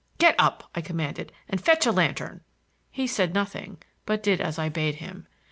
"Get up!" I commanded, "and fetch a lantern." He said nothing, but did as I bade him.